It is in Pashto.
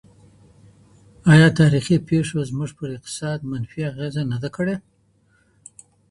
ايا تاريخي پيښو زموږ پر اقتصاد منفي اغيزه نه ده کړې؟